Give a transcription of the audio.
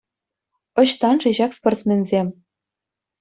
Ӑҫтан-ши ҫак спортсменсем?